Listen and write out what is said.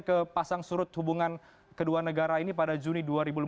dan kepasang surut hubungan kedua negara ini pada juni dua ribu lima belas